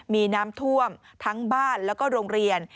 มีน้ำท่วมทั้งบ้านแล้วก็โรงเรียน